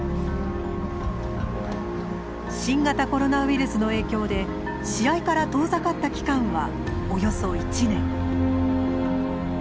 新型コロナウイルスの影響で試合から遠ざかった期間はおよそ１年。